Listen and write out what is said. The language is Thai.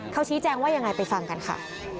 เขาชี้แจงว่ายังไงไปฟังกันค่ะ